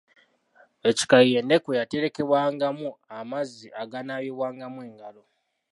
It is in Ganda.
Ekikaayi y’endeku eyaterekebwangamu amazzi agaanaabibwangamu engalo .